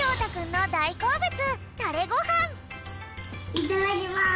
いただきます！